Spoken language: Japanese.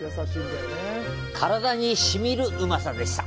体にしみるうまさでした。